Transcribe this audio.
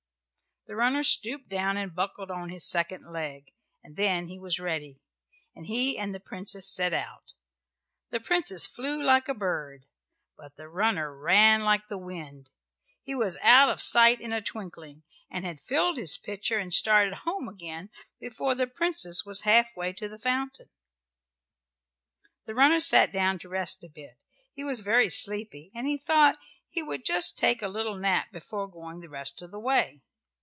The runner stooped down and buckled on his second leg, and then he was ready, and he and the Princess set out. The Princess flew like a bird, but the runner ran like the wind. He was out of sight in a twinkling, and had filled his pitcher and started home again before the Princess was half way to the fountain. The runner sat down to rest a bit. He was very sleepy and he thought he would just take a little nap before going the rest of the way.